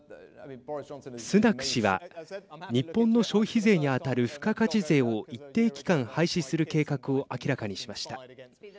スナク氏は日本の消費税に当たる付加価値税を一定期間、廃止する計画を明らかにしました。